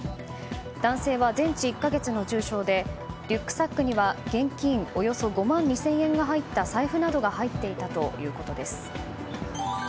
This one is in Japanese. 男性は全治１か月の重傷でリュックサックには現金およそ５万２０００円が入った財布などが入っていたということです。